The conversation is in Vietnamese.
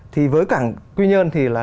thì với cảnh quy nhân thì là